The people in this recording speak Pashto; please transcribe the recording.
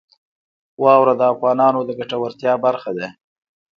واوره د افغانانو د ګټورتیا برخه ده.